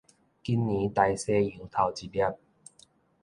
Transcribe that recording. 今年大西洋頭一粒